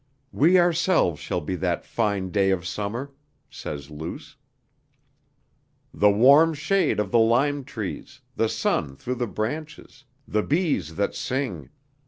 "We ourselves shall be that fine day of summer," says Luce. "The warm shade of the limetrees, the sun through the branches, the bees that sing...."